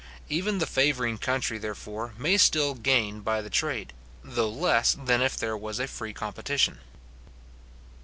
Even the favouring country, therefore, may still gain by the trade, though less than if there was a free competition.